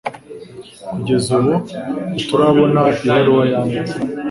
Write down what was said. Kugeza ubu ntiturabona ibaruwa yanditse.